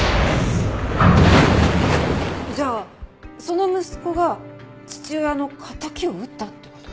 じゃあその息子が父親の敵を討ったって事？